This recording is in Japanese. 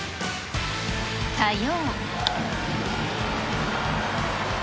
火曜。